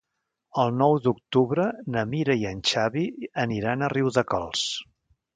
El nou d'octubre na Mira i en Xavi aniran a Riudecols.